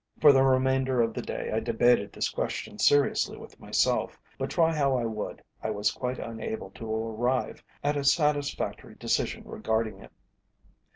For the remainder of the day I debated this question seriously with myself, but try how I would I was quite unable to arrive at a satisfactory decision regarding it.